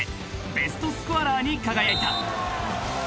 ［ベストスコアラーに輝いた］